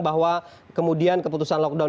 bahwa kemudian keputusan lockdown